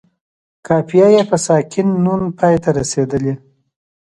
قافیه یې په ساکن نون پای ته رسیدلې.